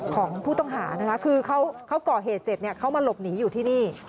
ของผู้ต้องหานะคะคือเขาก่อเหตุเสร็จเขามาหลบหนีอยู่ที่นี่